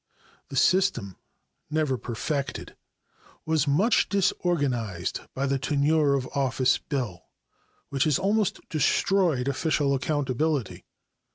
The system, never perfected, was much disorganized by the "tenure of office bill," which has almost destroyed official accountability.